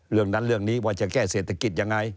เรื่องนั้นเรื่องนี้ว่าจะแก้เศรษฐกิจยังไง